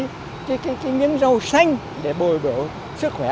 đến tuổi già mà ăn những dầu xanh để bồi bổ sức khỏe